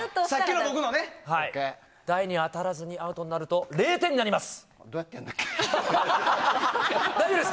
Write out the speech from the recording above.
台に当たらずにアウトになると０点になります。